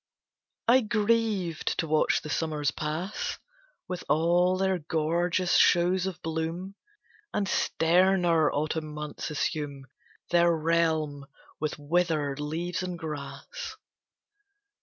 I grieved to watch the summers pass With all their gorgeous shows of bloom, And sterner autumn months assume Their realm with withered leaves and grass.